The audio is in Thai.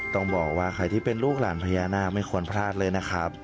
ต้องบอกว่าใครที่เป็นลูกหลานพญานาคไม่ควรพลาดเลยนะครับ